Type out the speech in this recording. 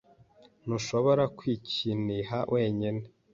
Ntuhobora kwikiniha wenyine